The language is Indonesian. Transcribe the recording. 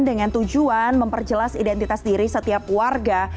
dengan tujuan memperjelas identitas diri setiap warga